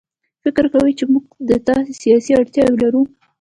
فکر کوي چې موږ ده ته سیاسي اړتیا لرو.